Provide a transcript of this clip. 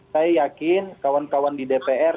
saya yakin kawan kawan di dpr